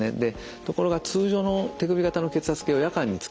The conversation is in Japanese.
ところが通常の手首型の血圧計を夜間につけるとですね